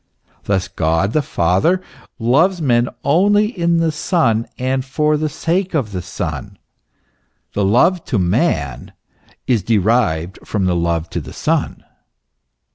Thus God the Father loves men only in the Son and for the sake of the Son. The love to man is derived from the love to the Son.